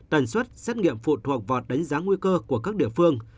tần suất xét nghiệm phụ thuộc vào đánh giá nguy cơ của các địa phương